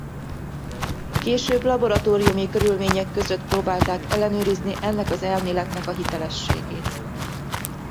Később laboratóriumi körülmények között próbálták ellenőrizni ennek az elméletnek a hitelességét.